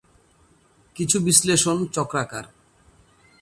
কিছু বিশ্লেষণ চক্রাকার।